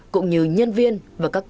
cũng như nhân viên và các đồng chí